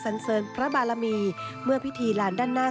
สันเสริญพระบารมีเมื่อพิธีลานด้านหน้า